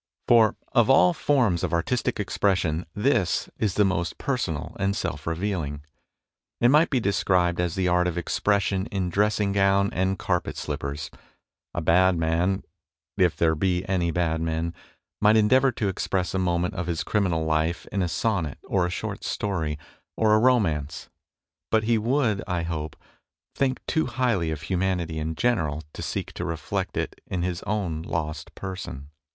For of all forms of artistic expression, this is the most personal and self revealing. It might be described as the art of expression in dressing gown and carpet slippers. A bad man, if there be any bad men, might en deavour to express a moment of his criminal life in a sonnet or a short story or a romance ; but he would, I hope, think too highly of humanity in general to seek to reflect it in his own lost person.